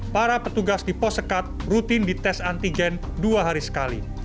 para petugas di pos sekat rutin dites antigen dua hari sekali